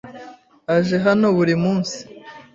aje hano buri munsi.